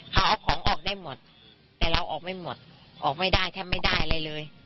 เขาเอาของออกได้หมดแต่เราออกไม่หมดออกไม่ได้แทบไม่ได้อะไรเลย